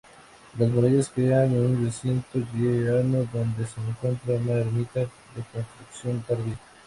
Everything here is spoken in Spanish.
Las murallas crean un recinto llano donde se encuentra una ermita de construcción tardía.